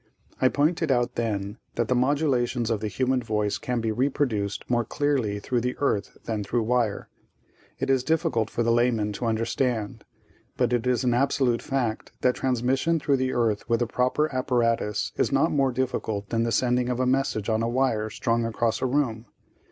I pointed out then that the modulations of the human voice can be reproduced more clearly through the earth than through wire. It is difficult for the layman to understand, but it is an absolute fact that transmission through the earth with the proper apparatus is not more difficult than the sending of a message on a wire strung across a room.